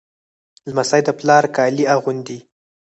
لمسی د پلار کالي اغوندي.